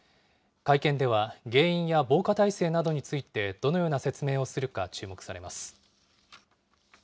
会見では、原因や防火体制などについてどのような説明をするか注目されます。